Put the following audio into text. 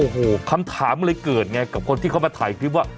โอ้โหคำถามมันเลยเกิดไงกับคนที่เขามาถ่ายคลิปว่า